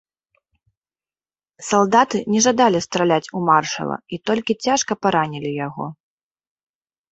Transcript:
Салдаты не жадалі страляць у маршала і толькі цяжка паранілі яго.